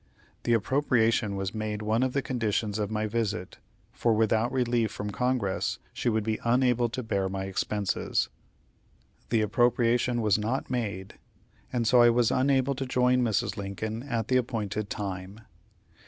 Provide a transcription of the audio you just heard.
The appropriation was made one of the conditions of my visit, for without relief from Congress she would be unable to bear my expenses. The appropriation was not made; and so I was unable to join Mrs. Lincoln at the appointed time.